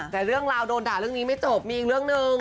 แต่เรื่องราวโดนด่าเรื่องนี้ไม่จบมีอีกเรื่องหนึ่ง